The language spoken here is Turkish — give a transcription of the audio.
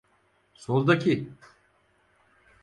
Soldaki…